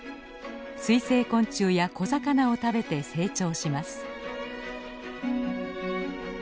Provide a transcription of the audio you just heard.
水生昆虫や小魚を食べて成長します。